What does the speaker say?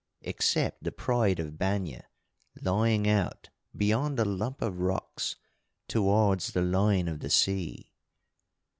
Except the Pride of Banya, lying out beyond a lump of rocks towards the line of the sea.